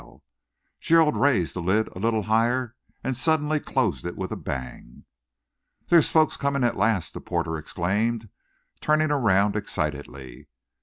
Gerald raised the lid a little higher and suddenly closed it with a bang. "There's folks coming at last!" the porter exclaimed, turning around excitedly.